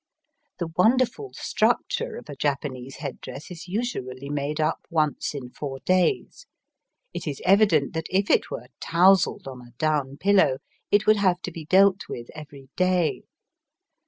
The wonderful structure of a Japanese head dress is usually made up once in four days. It is evident that if it were touzled on a down pillow it would have to be dealt with every day.